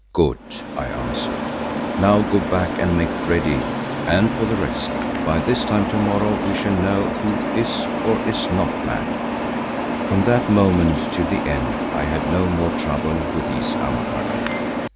"Good," I answered. "Now go back and make ready, and for the rest, by this time to morrow we shall know who is or is not mad." From that moment till the end I had no more trouble with these Amahagger.